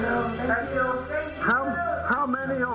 นั้นคือครั้งสูญกรรมเรื่องนี้ก็มีหลายอย่าง